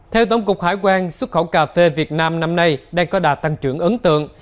theo tổng cục hải quan xuất khẩu cà phê việt nam năm nay đang có đà tăng trưởng ấn tượng